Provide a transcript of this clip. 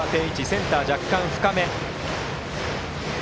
センター若干深め。